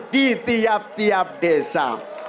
di tiap tiap desa